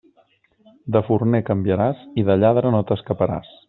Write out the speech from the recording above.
De forner canviaràs, i de lladre no t'escaparàs.